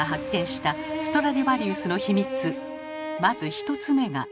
まず１つ目が。